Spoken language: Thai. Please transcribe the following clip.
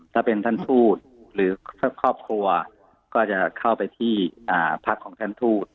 ถ้าเป็นท่านทูตหรือครอบครัวก็จะเข้าไปที่พักของท่านทูต